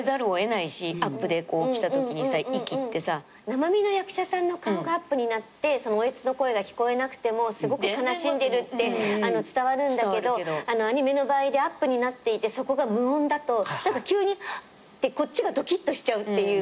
生身の役者さんの顔がアップになっておえつの声が聞こえなくてもすごく悲しんでるって伝わるんだけどアニメの場合でアップになっていてそこが無音だと急に「はっ」てこっちがドキッとしちゃうっていうか。